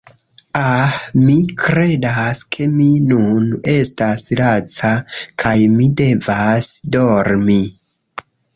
Ah, mi kredas ke mi nun estas laca kaj mi devas dormi